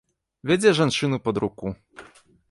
Вядзе жанчыну пад руку.